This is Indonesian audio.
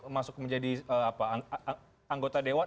masuk menjadi anggota dewan